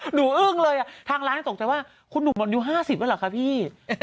อึ้งเลยทางร้านตกใจว่าคุณหนุ่มหมดอายุ๕๐แล้วเหรอคะพี่